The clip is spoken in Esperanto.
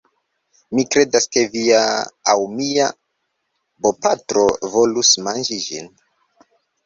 Mi kredas, ke via... aŭ mia bopatro volus manĝi ĝin.